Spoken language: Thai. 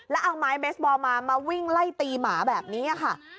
แล้วเอาไม้เบสบอลมามาวิ่งไล่ตีหมาแบบนี้ค่ะ